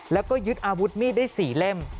แล้วก็ยึดอาวุธมีดได้๔เล่ม